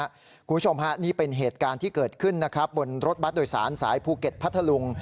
คุณผู้ชมฮะนี่เป็นเหตุการณ์ที่เกิดขึ้นนะครับบนรถบัตรโดยสารสายภูเก็ตพัทธลุง